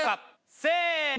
せの！